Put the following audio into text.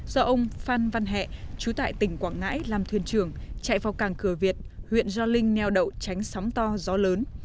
do ông phan văn hẹ chú tại tỉnh quảng ngãi làm thuyền trưởng chạy vào cảng cửa việt huyện gio linh neo đậu tránh sóng to gió lớn